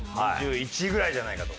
２１ぐらいじゃないかと。